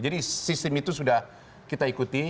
jadi sistem itu sudah kita ikuti